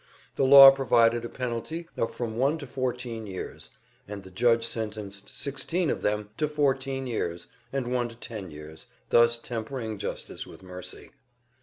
The law provided a penalty of from one to fourteen years, and the judge sentenced sixteen of them to fourteen years, and one to ten years, thus tempering justice with mercy.